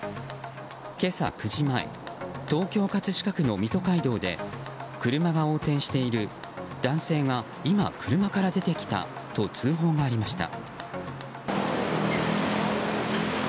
今朝９時前東京・葛飾区の水戸街道で車が横転している男性が今、車から出てきたと通報がありました。